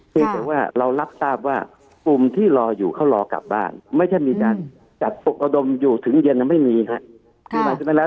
เพียงแต่ว่าเรารับทราบว่ากลุ่มที่รออยู่เขารอกลับบ้านไม่ใช่มีการจัดปรกระดมอยู่ถึงเย็นยังไม่มีครับ